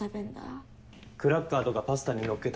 クラッカーとかパスタにのっけたりとかかな。